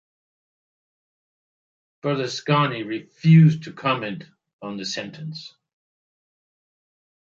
Berlusconi refused to comment on the sentence.